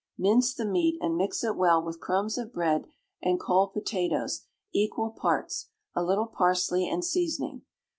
Mince the meat, and mix it well with crumbs of bread and cold potatoes, equal parts, a little parsley and seasoning.